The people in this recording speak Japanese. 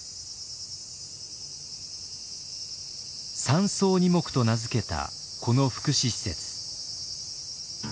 「三草二木」と名付けたこの福祉施設。